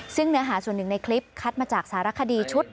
ซึ่งเนื้อหาส่วนหนึ่งในคลิปคัดมาจากสารคดีชุด